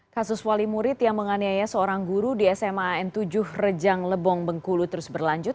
kasus wali murid yang menganiaya seorang guru di sma n tujuh rejang lebong bengkulu terus berlanjut